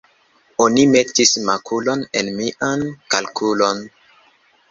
Oni metis makulon en mian kalkulon.